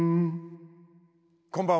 こんばんは。